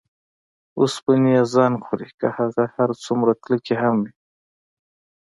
اوسپنې یې زنګ خوري که هغه هر څومره کلکې هم وي.